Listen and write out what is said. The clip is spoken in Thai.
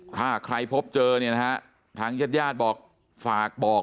ถ้าใครพบเจอเนี่ยนะฮะทางญาติญาติบอกฝากบอก